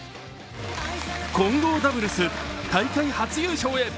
混合ダブルス大会初優勝へ。